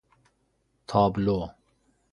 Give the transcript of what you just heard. تابلو